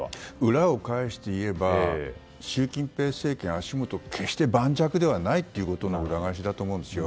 裏を返して言えば習近平政権の足元は決して盤石ではないということだと思うんですよ。